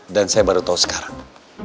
dan saya baru tau sekarang